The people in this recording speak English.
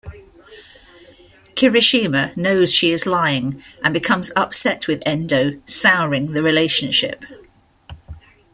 Kirishima knows she is lying and becomes upset with Endo souring the relationship.